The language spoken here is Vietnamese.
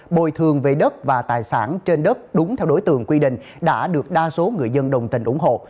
bồi thường về đất và tài sản trên đất đúng theo đối tượng quy định đã được đa số người dân đồng tình ủng hộ